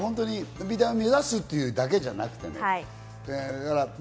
美大を目指すというだけじゃなくてね。